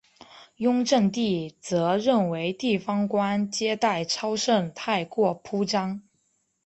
雍正帝则认为地方官接待超盛太过铺张。